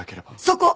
そこ！